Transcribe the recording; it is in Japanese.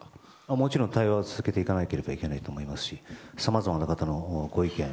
もちろん対話は続けていかなければならないと思いますしさまざまな方々のご意見